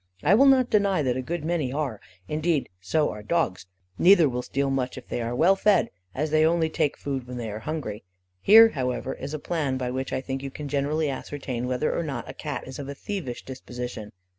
I will not deny that a good many are: indeed, so are dogs. Neither will steal much if they are well fed, as they only take food when they are hungry. Here, however, is a plan by which, I think, you can generally ascertain whether or not a Cat is of a thievish disposition.